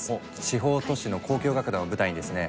地方都市の交響楽団を舞台にですね